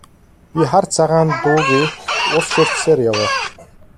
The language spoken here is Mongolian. Би хар цагаан дуугүй ус ширтсээр явав.